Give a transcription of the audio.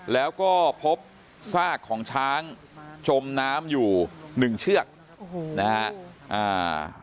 แล้วก็พบซากของช้างจมน้ำอยู่หนึ่งเชือกโอ้โหนะฮะอ่า